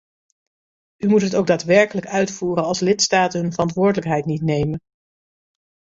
U moet het ook daadwerkelijk uitvoeren als lidstaten hun verantwoordelijkheid niet nemen.